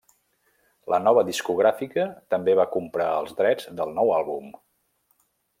La nova discogràfica també va comprar els drets del nou àlbum.